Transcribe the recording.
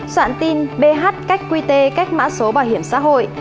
soạn tin bh cách qt cách mã số bảo hiểm xã hội